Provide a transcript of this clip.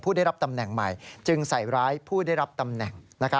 ได้รับตำแหน่งใหม่จึงใส่ร้ายผู้ได้รับตำแหน่ง